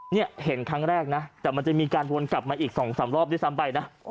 นี่เห็นครั้งแรกนะแต่มันจะมีการวนกลับมาอีก๒๓รอบด้วยซ้ำไปนะ